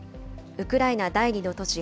ウクライナ第２の都市